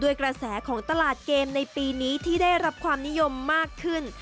กระแสของตลาดเกมในปีนี้ที่ได้รับความนิยมมากขึ้น